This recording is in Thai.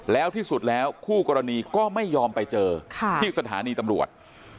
แล้วที่สุดแล้วคู่กรณีก็ไม่ยอมไปเจอที่สถานีตำรวจ